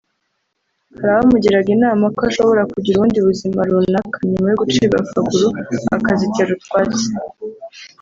Hari abamugiraga inama ko ashobora kugira ubundi buzima runaka nyuma yo gucibwa akaguru akazitera utwatsi